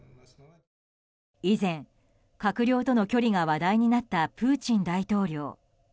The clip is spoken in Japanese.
以前、閣僚との距離が話題になったプーチン大統領。